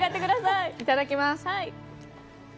いただきます。